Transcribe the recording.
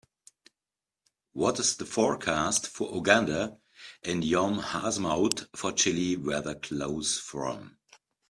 what is the forecast for Uganda at Yom Ha'atzmaut for chilly weather close from